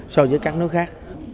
so với các nước khác